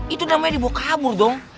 itu namanya dibawa kabur dong